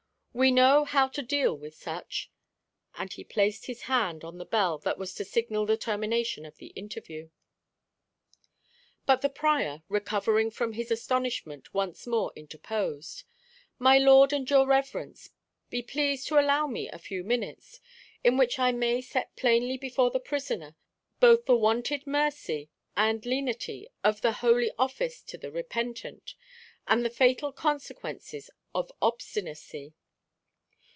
"We know how to deal with such." And he placed his hand on the bell that was to signal the termination of the interview. But the prior, recovering from his astonishment, once more interposed. "My lord and your reverence, be pleased to allow me a few minutes, in which I may set plainly before the prisoner both the wonted mercy and lenity of the Holy Office to the repentant, and the fatal consequences of obstinacy."